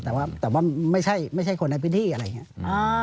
แต่ว่าไม่ใช่คนในพื้นที่อะไรอย่างนี้